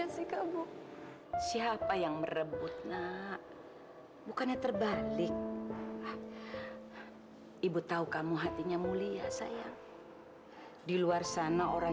semua persoalan kecil nak